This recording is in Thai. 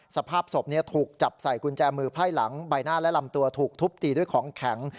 สภาพศพถูกจับใส่กุญแจมือไพร่หลังใบหน้าและลำตัวถูกทุบตีด้วยของแข็ง